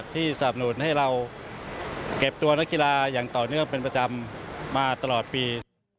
สนับหนุนให้เราเก็บตัวนักกีฬาอย่างต่อเนื่องเป็นประจำมาตลอดปี